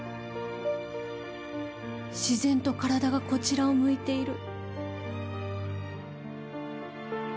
自然と体がこちらを向いている。